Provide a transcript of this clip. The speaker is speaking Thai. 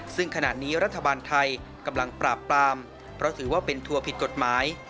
ซึ่งขณะนี้รัฐบาลไทยกำลังปราบปรามเพราะถือว่าเป็นทัวร์ผิดกฎหมาย